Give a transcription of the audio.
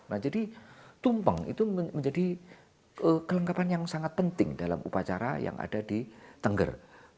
nah jadi tumpeng itu menjadi kelengkapan yang sangat penting dalam upacara yang ada di tengger